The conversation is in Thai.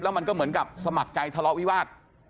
มันก็เหมือนกับสมัครใจทะเลาะวิวาส